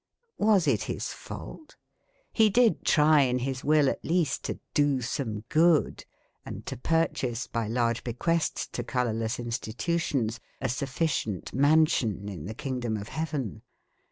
Was it his fault ? He did try in his Will at least to " do some good " and to purchase by large bequests to colourless institutions a sufficient mansion in the Kingdom of Heaven.